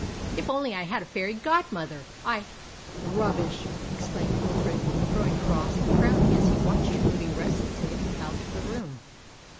"If only I had a fairy godmother, I " "Rubbish!" exclaimed Wilfrid, growing cross, and frowning as he watched her moving restlessly about the room.